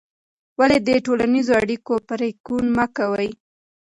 ولې د ټولنیزو اړیکو پرېکون مه کوې؟